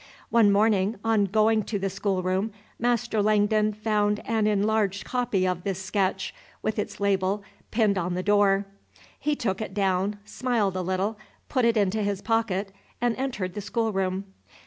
One morning, on going to the schoolroom, Master Langdon found an enlarged copy of this sketch, with its label, pinned on the door. He took it down, smiled a little, put it into his pocket, and entered the schoolroom.